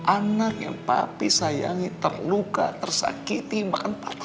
anak yang papi sayangi terluka tersakiti makan patah